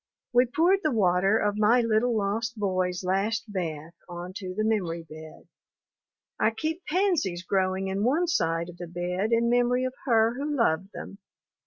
We poured the water of my little lost boy's last bath onto the memory bed. I keep pansies growing in one side of the bed in memory of her who loved them.